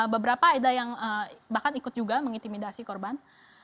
beberapa ada yang bahkan ikut juga mengintimidasi korban